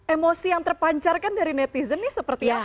emosi yang terpancarkan dari netizen ini seperti apa